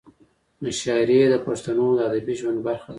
مشاعرې د پښتنو د ادبي ژوند برخه ده.